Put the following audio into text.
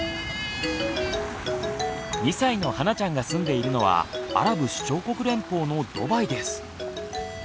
２歳のはなちゃんが住んでいるのはアラブ首長国連邦のドバイです。